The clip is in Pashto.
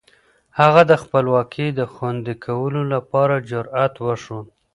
هغه د خپلواکۍ د خوندي کولو لپاره جرئت وښود.